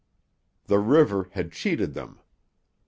The river had cheated them.